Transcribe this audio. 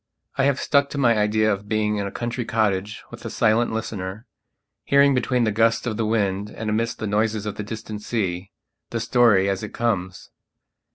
I have stuck to my idea of being in a country cottage with a silent listener, hearing between the gusts of the wind and amidst the noises of the distant sea, the story as it comes.